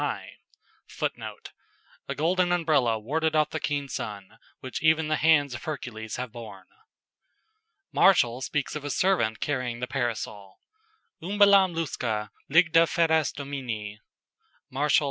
[Footnote: "A golden umbrella warded off the keen sun, which even the hands of Hercules have borne."] Martial speaks of a servant carrying the Parasol: "Umbellam lusca, Lygde feras Dominæ." Mart., lib.